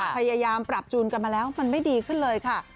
พยายามปรับจูนกันมาแล้วมันไม่ดีขึ้นเลยค่ะ